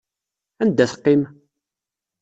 Anda teqqim?